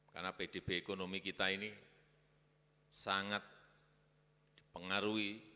karena pdb ekonomi kita ini sangat dipengaruhi